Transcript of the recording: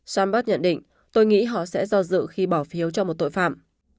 sanberg nhận định tôi nghĩ họ sẽ do dự khi bỏ phiếu cho một tội phạm